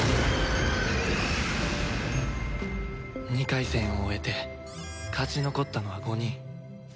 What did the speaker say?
２回戦を終えて勝ち残ったのは５人